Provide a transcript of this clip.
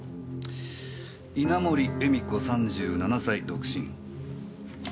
「稲盛絵美子３７歳独身」。